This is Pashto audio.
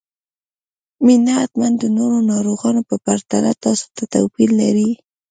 مينه حتماً د نورو ناروغانو په پرتله تاسو ته توپير لري